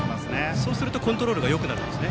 そうするとコントロールがよくなるんですね。